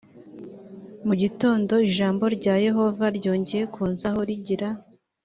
mu gitondo ijambo rya yehova ryongera kunzaho rigira